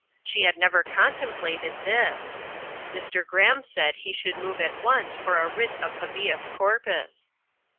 She had never contemplated this. Mr. Graham said he should move at once for a writ of 'habeas corpus'.